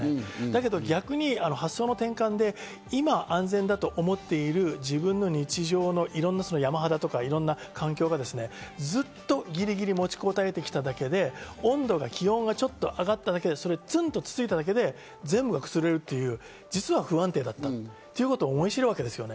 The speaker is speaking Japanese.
逆に発想の転換で今、安全だと思っている自分の日常のいろんな山肌とか、環境が、ずっとぎりぎり持ちこたえてきただけで、温度や気温がちょっと上がっただけで、ツンとつついただけで、全部崩れるという、実は不安定だったということを思い知るわけです。